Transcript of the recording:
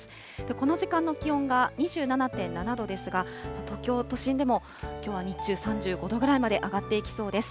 この時間の気温が２７．７度ですが、東京都心でもきょうは日中３５度ぐらいまで上がっていきそうです。